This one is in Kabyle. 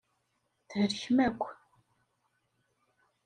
Thelkem akk.